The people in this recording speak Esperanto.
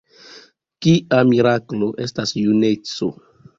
Kia miraklo estas juneco?